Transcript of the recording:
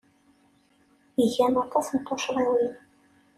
Gan aṭas n tuccḍiwin.